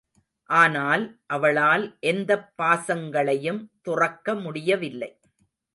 ஆனால் அவளால் எந்தப் பாசங்களையும் துறக்க முடியவில்லை.